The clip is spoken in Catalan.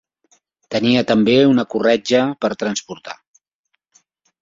Tenia també una corretja per transportar.